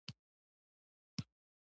په بوړ کي مالګه زیاته ده.